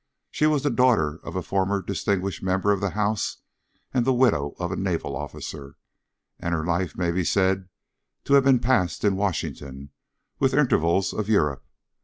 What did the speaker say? She was the daughter of a former distinguished member of the House and the widow of a naval officer, and her life may be said to have been passed in Washington with intervals of Europe.